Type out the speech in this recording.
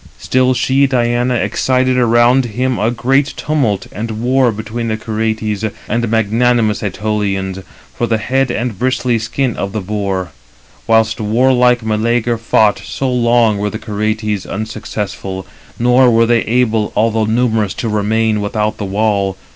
Still she (Diana) excited around him 321 a great tumult and war between the Curetes and magnanimous Ætolians, for the head and bristly skin of the boar. 322 Whilst warlike Meleager fought, so long were the Curetes unsuccessful; nor were they able, although numerous, to remain without the wall.